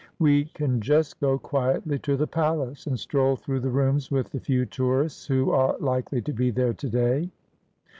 ' We can just go quietly to the palace, and stroll through the rooms with the few tourists who are likely to be there to day.